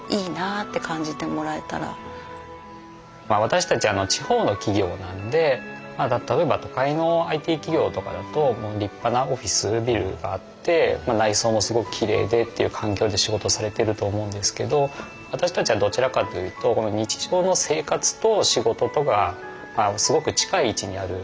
私たち地方の企業なんで例えば都会のＩＴ企業とかだと立派なオフィスビルがあって内装もすごくきれいでっていう環境で仕事をされてると思うんですけど私たちはどちらかというと日常の生活と仕事とがすごく近い位置にある。